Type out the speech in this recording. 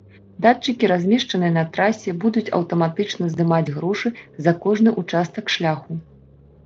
Датчыкі, размешчаныя на трасе, будуць аўтаматычна здымаць грошы за кожны ўчастак шляху.